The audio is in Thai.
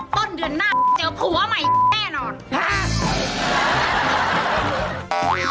ต้นเดือนหน้าเจอผัวใหม่แน่นอน